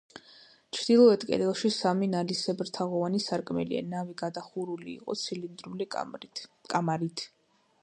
ჩრდილოეთ კედელში სამი, ნალისებრთაღოვანი სარკმელია, ნავი გადახურული იყო ცილინდრული კამარით.